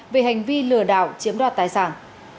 về hành vi lừa đảo chiếm đoạt tài sản